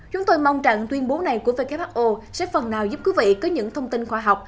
chúng tôi mong rằng tuyên bố này của who sẽ phần nào giúp quý vị có những thông tin khoa học